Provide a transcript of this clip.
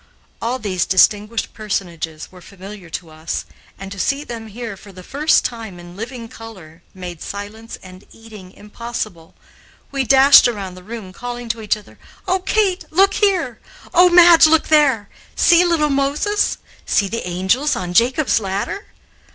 All these distinguished personages were familiar to us, and to see them here for the first time in living colors, made silence and eating impossible. We dashed around the room, calling to each other: "Oh, Kate, look here!" "Oh, Madge, look there!" "See little Moses!" "See the angels on Jacob's ladder!"